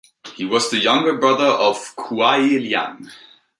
He was the younger brother of Kuai Liang.